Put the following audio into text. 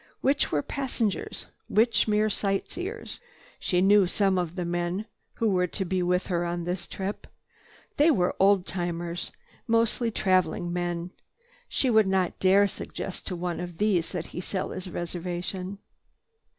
Which were passengers, which mere sightseers? She knew some of the men who were to be with her on this trip. They were old timers, mostly traveling men. She would not dare suggest to one of these that he sell his reservation.